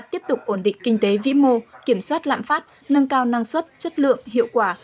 tiếp tục ổn định kinh tế vĩ mô kiểm soát lạm phát nâng cao năng suất chất lượng hiệu quả